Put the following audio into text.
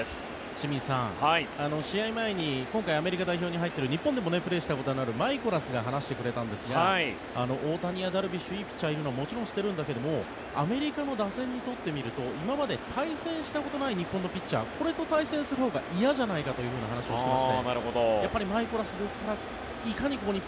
清水さん、試合前に今回、アメリカ代表に入っている日本でもプレーしたことがあるマイコラスが話してくれたんですが大谷やダルビッシュいいピッチャーがいるのはもちろん知ってるんだけどアメリカの打線にとってみると今まで対戦したことない日本のピッチャーこれも詰まった当たりですがこれはスタンドまで届きそうです。